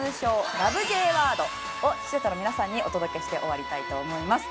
Ｊワードを視聴者の皆さんにお届けして終わりたいと思います。